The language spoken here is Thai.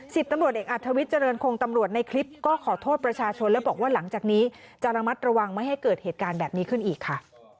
ตำรวจเอกอัธวิทย์เจริญคงตำรวจในคลิปก็ขอโทษประชาชนและบอกว่าหลังจากนี้จะระมัดระวังไม่ให้เกิดเหตุการณ์แบบนี้ขึ้นอีกค่ะ